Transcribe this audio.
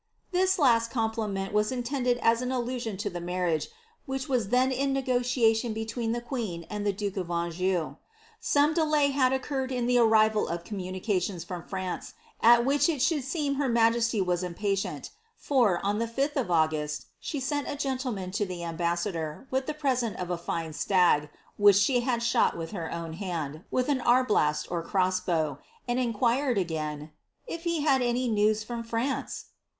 '" This lai complimeni was intended as an allusion lo the marriage, which wi then in negotiation between the queen and the duke of Anjou. Son delay had occurred in the arrival of communicalions from France, I which it should seem her majeaiy was impatieni; for, on the 5th « August, she sent a gentleman to the ambassador, wiih the present of fine stag, which she had shut with her own hand, with an aiblast, ( cros» bow, and inquired again " if he had any news from France